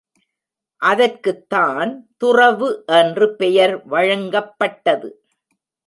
அதற்குத்தான் துறவு என்று பெயர் வழங்கப்பட்டது.